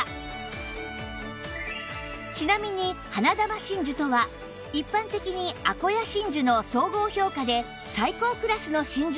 ちなみに花珠真珠とは一般的にアコヤ真珠の総合評価で最高クラスの真珠の事です